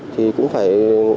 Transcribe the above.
thì cũng phải